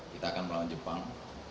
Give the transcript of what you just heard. kita akan melawan jepang